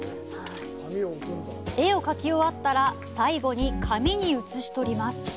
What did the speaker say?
絵を描き終わったら、最後に紙に写し取ります。